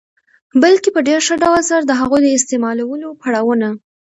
بلکي په ډېر ښه ډول سره د هغوی د استعمالولو پړا وونه